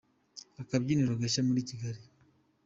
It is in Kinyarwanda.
Akabyiniro gashya muri Kigali